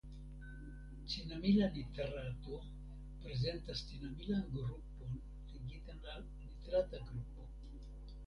Cinamila nitrato prezentas cinamilan grupon ligitan al nitrata grupo.